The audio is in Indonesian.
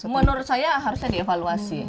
menurut saya harusnya dievaluasi